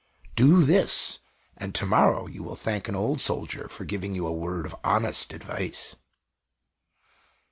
Do this; and to morrow you will thank an old soldier for giving you a word of honest advice."